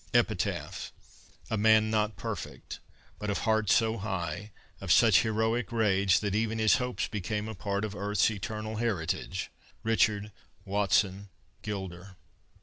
EPITAPH A man not perfect, but of heart So high, of such heroic rage, That even his hopes became a part Of earth's eternal heritage. RICHARD WATSON GILDER.